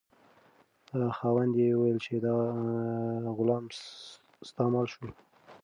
خاوند یې وویل چې دا غلام ستا مال شو.